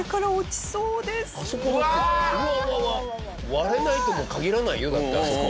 割れないとも限らないよだってあそこ。